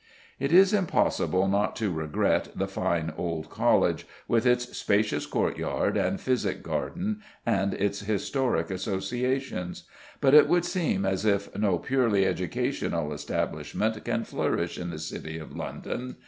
It is impossible not to regret the fine old College, with its spacious courtyard and physic garden and its historic associations. But it would seem as if no purely educational establishment can flourish in the City of London.